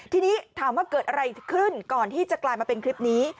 ทีนี้ถามว่าเกิดอะไรขึ้นก่อนที่จะกลายมาเป็นคลิปนี้